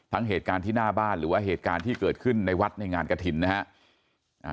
เหตุการณ์ที่หน้าบ้านหรือว่าเหตุการณ์ที่เกิดขึ้นในวัดในงานกระถิ่นนะฮะ